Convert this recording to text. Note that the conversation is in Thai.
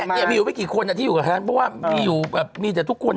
เดี๋ยวเดี๋ยวกลับมา